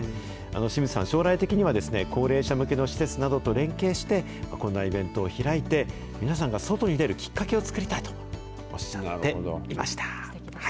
志水さん、将来的には、高齢者向けの施設などと連携して、こんなイベントを開いて、皆さんが外に出るきっかけを作りたいとおっしゃっていました。